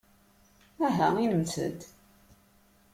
Aha inimt-d!